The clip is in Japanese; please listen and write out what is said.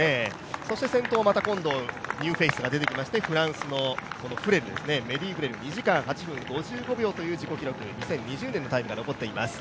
そして先頭またニューフェイスが出てきまして、フランスのメディ・フレル２時間８分５５秒という、２０１５年の記録が残っています。